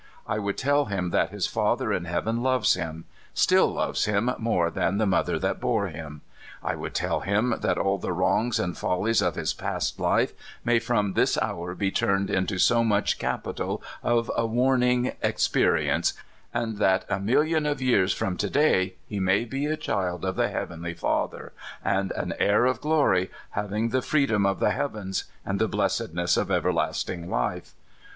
I would tell him that his Father in heaven 176 CALIFORNIA SKETCHES. loves him still, loves him more than the mother that bore him. I would tell him that all the wrongs and follies of his past life may from this hour be turned into so much capital of a warning expe rience, and that a million of years from to day he may be a child of the Heavenly Father, and an heir of glory, having the freedom of the heavens and the blessedness of everlasting life.